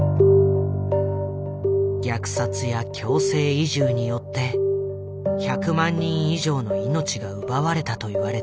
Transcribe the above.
虐殺や強制移住によって１００万人以上の命が奪われたといわれている。